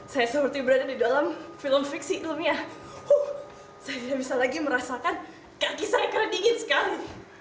saya seperti berada di dalam film fiksi ilmiah saya tidak bisa lagi merasakan kaki saya dingin sekali